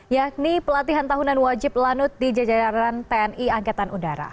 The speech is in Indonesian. yakni pelatihan tahunan wajib lanut di jajaran tni angkatan udara